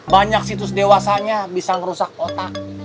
banyak situs dewasanya bisa ngerusak otak